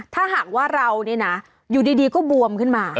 ถ้าหากว่าเราอยู่ดีก็บวมขึ้นมา